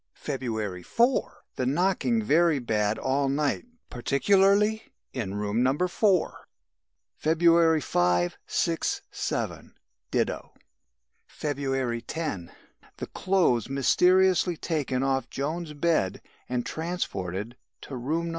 "February 4. The knocking very bad all night particularly in room No. 4. "February 5, 6, 7, ditto. "February 10. The clothes mysteriously taken off Joan's bed and transported to room No.